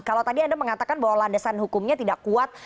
kalau tadi anda mengatakan bahwa landasan hukumnya tidak kuat